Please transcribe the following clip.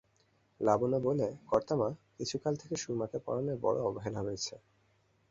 লাবণ্য বললে, কর্তা-মা, কিছুকাল থেকে সুরমাকে পড়ানোয় বড়ো অবহেলা হয়েছে।